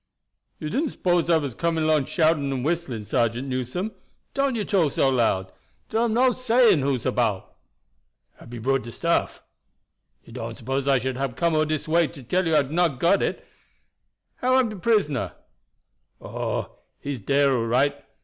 "You didn't s'pose I was coming along shouting and whistling, Sergeant Newson? Don't you talk so loud. Dar am no saying who's about." "Hab you brought de stuff?" "You don't suppose I should hab come all dis way to tell you I hab not got it. How am de prisoner?" "Oh, he's dere all right.